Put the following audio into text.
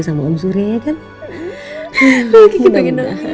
papa udah seneng